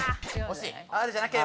惜しい！